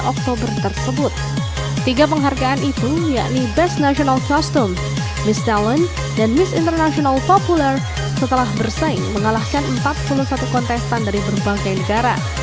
oktober tersebut tiga penghargaan itu yakni best national costum miss talent dan miss international populer setelah bersaing mengalahkan empat puluh satu kontestan dari berbagai negara